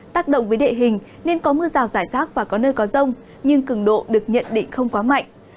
tác động với địa hình nên có mưa rào rải rác và có nơi có rông nhưng cường độ được nhận định không quá mạnh